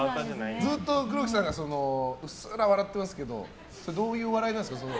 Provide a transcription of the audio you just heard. ずっと黒木さんがうっすら笑ってますけどどういう笑いなんですか。